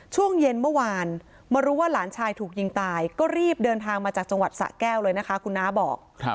ช่วงเย็นเมื่อวานมารู้ว่าหลานชายถูกยิงตายก็รีบเดินทางมาจากจังหวัดสะแก้วเลยนะคะคุณน้าบอก